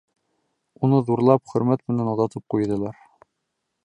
Уны ҙурлап, хөрмәт менән оҙатып ҡуйҙылар.